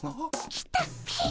来たっピ。